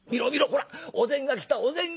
ほらお膳が来たお膳が。